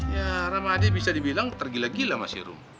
ya rahmadi bisa dibilang tergila gila sama si rum